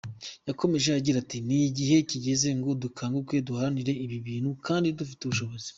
Yakomeje agira ati “Ni igihe kigeze ngo dukanguke duhagarike ibi bintu kandi dufite ubushobozi.